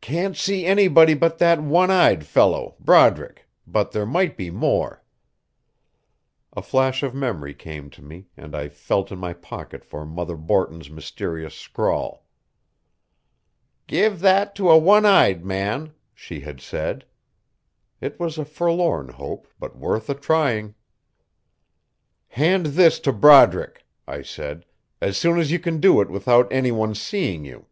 "Can't see anybody but that one eyed fellow, Broderick, but there might be more." A flash of memory came to me, and I felt in my pocket for Mother Borton's mysterious scrawl. "Give that to a one eyed man," she had said. It was a forlorn hope, but worth the trying. "Hand this to Broderick," I said, "as soon as you can do it without any one's seeing you."